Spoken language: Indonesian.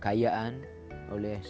kepada pihak yang bisajeksi dengan zon